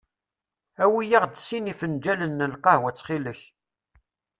Awi-aɣ-d sin ifenǧalen n lqahwa ttxil-k.